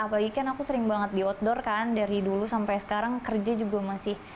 apalagi kan aku sering banget di outdoor kan dari dulu sampai sekarang kerja juga masih